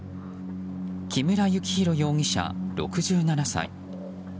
木村幸弘容疑者、６７歳。